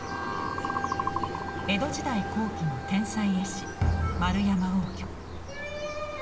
江戸時代後期の天才絵師円山応挙。